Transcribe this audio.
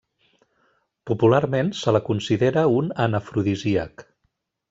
Popularment se la considera un anafrodisíac.